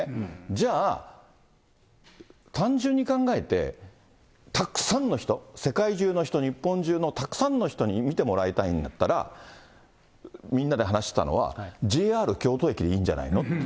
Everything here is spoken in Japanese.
じゃあ、単純に考えて、たくさんの人、世界中の人、日本中のたくさんの人に見てもらいたいんだったら、みんなで話してたのは、ＪＲ京都駅でいいんじゃないのって。